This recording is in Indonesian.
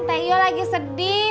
teh yo lagi sedih